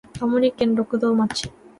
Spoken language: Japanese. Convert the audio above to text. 青森県六戸町